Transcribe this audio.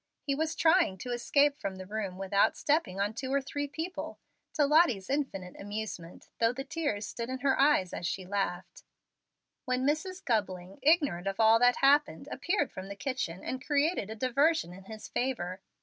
He was trying to escape from the room without stepping on two or three people to Lottie's infinite amusement, though the tears stood in her eyes as she laughed when Mrs. Gubling, ignorant of all that had happened, appeared from the kitchen, and created a diversion in his favor.